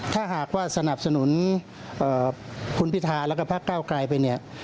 ถ้าหากว่าสนับสนุนคุณพิธาแล้วก็พักเก้าไกลไปเนี่ย